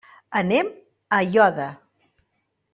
Anem a Aiòder.